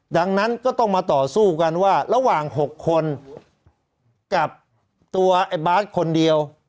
ดังนั้นก็ต้องมาต่อสู้กันว่าระหว่าง๖คนกับตัวไอ้บาทคนเดียว